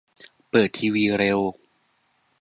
เปิดทีวีเร็ว